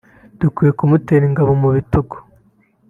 “Dukwiye kumutera ingabo mu bitugu